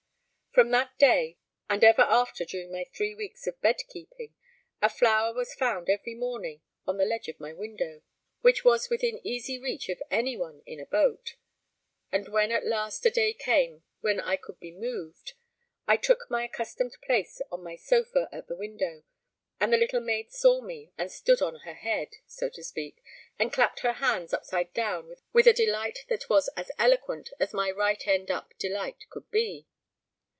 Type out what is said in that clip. From that day, and ever after during my three weeks of bed keeping, a flower was found every morning on the ledge of my window, which was within easy reach of anyone in a boat; and when at last a day came when I could be moved, I took my accustomed place on my sofa at the window, and the little maid saw me, and stood on her head (so to speak) and clapped her hands upside down with a delight that was as eloquent as my right end up delight could be.